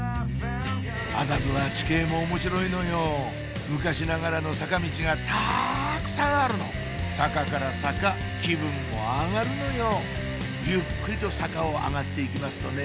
麻布は地形も面白いのよ昔ながらの坂道がたくさんあるの坂から坂気分も上がるのよゆっくりと坂を上がって行きますとね